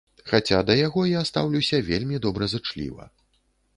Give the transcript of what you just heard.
Хаця да яго я стаўлюся вельмі добразычліва.